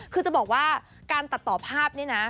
คือจะบอกว่าการตัดต่อภาพนี่นะ